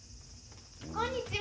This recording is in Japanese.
・こんにちは。